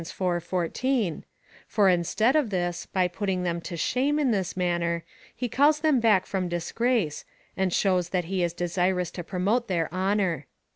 14,) for instead of this, by putting them to shame in this manner, he calls them back from disgrace,^ and shows that he is desirous to promote their honour.